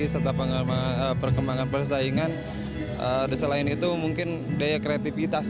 serta perkembangan persaingan selain itu mungkin daya kreativitas